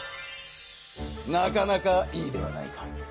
なかなかいいではないか。